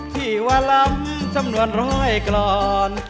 ที่วรรลัมสำนวนร้อยกลอน